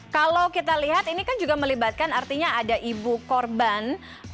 kalau kita lihat ini kan juga melibatkan artinya ada ibu korban